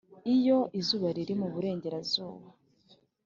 'iyo izuba riri mu burengerazuba